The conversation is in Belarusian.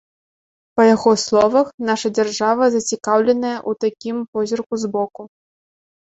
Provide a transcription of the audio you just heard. Па яго словах, наша дзяржава зацікаўленая ў такім позірку збоку.